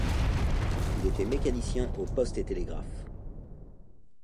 Il était mécanicien aux Postes et Télégraphes.